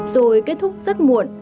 rồi kết thúc rất muộn